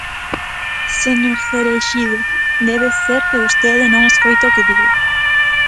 Señor Cereixido, debe ser que vostede non escoita o que digo.